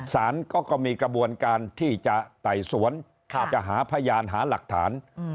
สารก็มีกระบวนการที่จะไต่สวนจะหาพยานหาหลักฐาน